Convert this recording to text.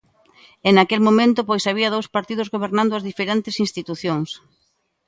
E naquel momento pois había dous partidos gobernando as diferentes institucións.